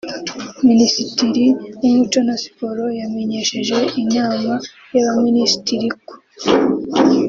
b) Minisitiri w’Umuco na Siporo yamenyesheje Inama y’Abaminisitiri ko